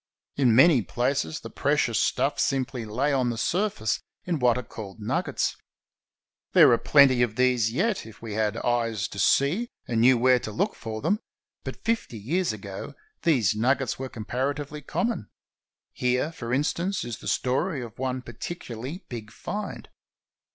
In many places the precious stuff simply lay on the surface in what are called nuggets. There are plenty of these yet, if we had eyes to see, and knew where to look for them, but fifty years ago these nuggets were comparatively common. Here, for instance, is the story of one particularly big find.